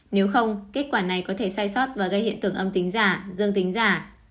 nếu không kết quả này có thể sai sót và gây hiện tượng âm tính giả dương tính giả